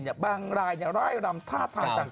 ใหญ่แบบบางลายนี่รายลำทาพามต่าง